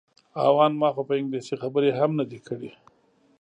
او ان ما خو په انګلیسي خبرې هم نه دي کړې.